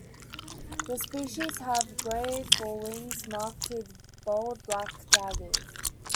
This species has grey forewings marked with bold black "daggers".